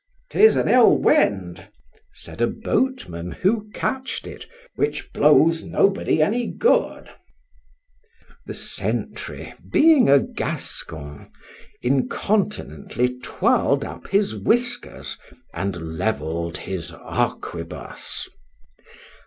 — —'Tis an ill wind, said a boatman, who catched it, which blows nobody any good. The sentry, being a Gascon, incontinently twirled up his whiskers, and levell'd his arquebuss.